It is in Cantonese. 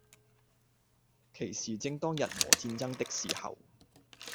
其時正當日俄戰爭的時候，